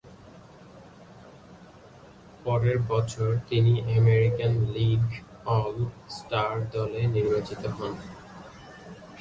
পরের বছর তিনি আমেরিকান লীগ অল স্টার দলে নির্বাচিত হন।